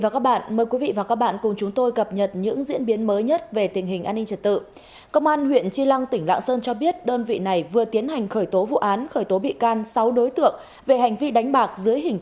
các bạn hãy đăng ký kênh để ủng hộ kênh của chúng mình nhé